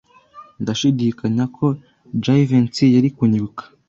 Ndashidikanya ko Jivency yari kunyibuka.